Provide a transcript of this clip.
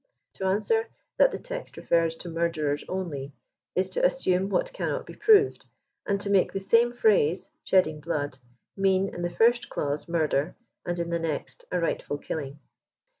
To answer that the text re fers to murderers only, is to assume what cannot be proved, and to make the same phrase ^ shedding blood" — mean, in the first clause murder, and, in the nesct, a rightful killing.